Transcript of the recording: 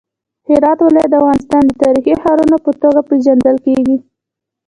هرات ولایت د افغانستان د تاریخي ښارونو په توګه پیژندل کیږي.